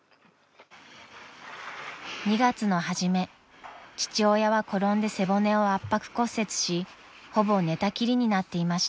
［２月の初め父親は転んで背骨を圧迫骨折しほぼ寝たきりになっていました］